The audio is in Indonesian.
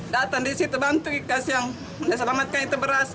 datang di situ bantu dikasih yang diselamatkan itu beras